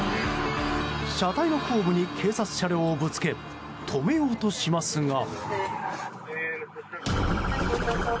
車体の後部に警察車両をぶつけ止めようとしますが。